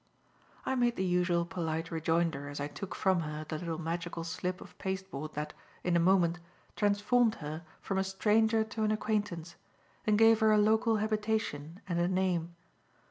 I made the usual polite rejoinder as I took from her the little magical slip of pasteboard that, in a moment, transformed her from a stranger to an acquaintance, and gave her a local habitation and a name.